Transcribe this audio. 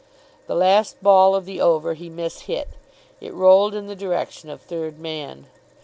The last ball of the over he mishit. It rolled in the direction of third man.